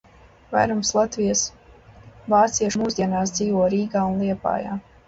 Vairums Latvijas vāciešu mūsdienās dzīvo Rīgā un Liepājā.